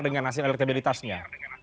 dengan hasil elektabilitasnya